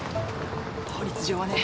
法律上はね。